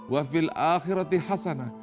wafil akhirati hasana